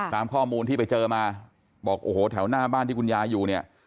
ตามข้อมูลที่ไปเจอมาบอกโอ้โหแถวหน้าบ้านที่คุณยายอยู่เนี่ย